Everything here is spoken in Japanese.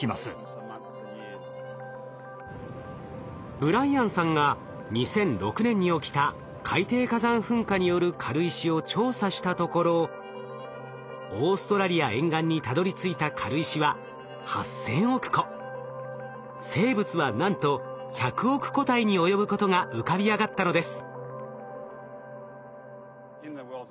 ブライアンさんが２００６年に起きた海底火山噴火による軽石を調査したところオーストラリア沿岸にたどりついた軽石は生物はなんと１００億個体に及ぶことが浮かび上がったのです。